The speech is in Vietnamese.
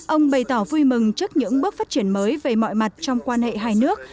ông bày tỏ vui mừng trước những bước phát triển mới về mọi mặt trong quan hệ hai nước